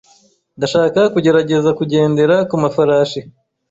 Ndashaka kugerageza kugendera ku mafarashi.